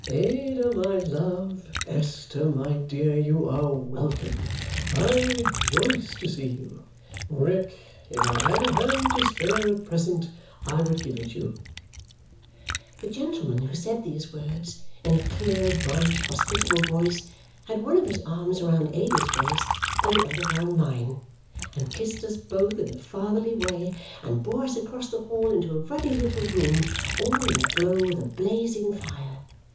"Ada, my love, Esther, my dear, you are welcome. I rejoice to see you! Rick, if I had a hand to spare at present, I would give it you!" The gentleman who said these words in a clear, bright, hospitable voice had one of his arms round Ada's waist and the other round mine, and kissed us both in a fatherly way, and bore us across the hall into a ruddy little room, all in a glow with a blazing fire.